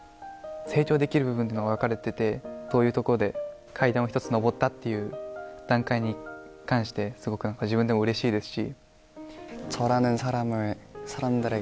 成長できる部分が分かれてて、どういうところで階段を一つ上ったっていう段階に関して、すごくなんか、自分でもうれしいですし。